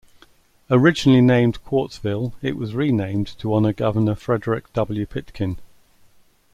Originally named Quartzville, it was renamed to honor Governor Frederick W. Pitkin.